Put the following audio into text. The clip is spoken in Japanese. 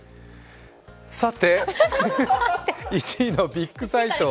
さて１位のビッグサイト。